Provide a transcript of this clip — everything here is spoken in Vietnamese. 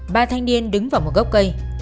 ba thanh niên đứng vào một gốc cây